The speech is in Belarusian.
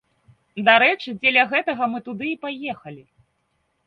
Дарэчы, дзеля гэтага мы туды і паехалі.